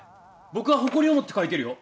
僕は誇りを持って書いてるよ。